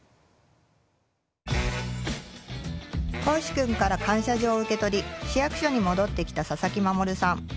幸史くんから感謝状を受け取り市役所に戻ってきた佐々木守さん。